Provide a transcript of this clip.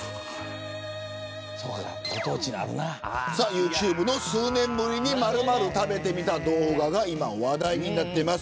ユーチューブの数年ぶりに〇〇食べてみた動画が今話題になってます。